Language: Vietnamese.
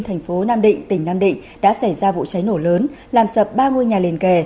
thành phố nam định tỉnh nam định đã xảy ra vụ cháy nổ lớn làm sập ba ngôi nhà liền kề